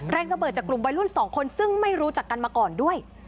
ระเบิดจากกลุ่มวัยรุ่น๒คนซึ่งไม่รู้จักกันมาก่อนด้วย